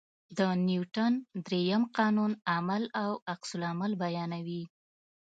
د نیوټن درېیم قانون عمل او عکس العمل بیانوي.